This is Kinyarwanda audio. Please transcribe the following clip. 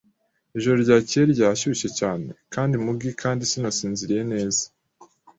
Ijoro ryakeye ryashyushye cyane kandi muggy kandi sinasinziriye neza.